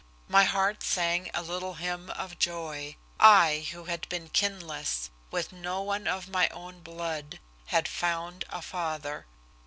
My heart sang a little hymn of joy. I, who had been kinless, with no one of my own blood, had found a father!